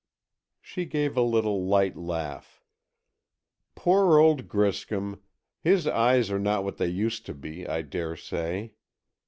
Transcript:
She gave a little light laugh. "Poor old Griscom. His eyes are not what they used to be, I daresay.